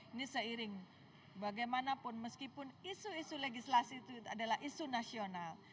ini seiring bagaimanapun meskipun isu isu legislasi itu adalah isu nasional